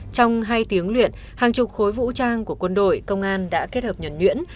trong hai tiếng luyện hàng chục khối vũ trang của quân đội công an đã kết hợp nhuẩn nhuyễn